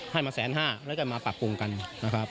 ให้มาแสนห้าแล้วจะมาปรับปรุงกันนะครับ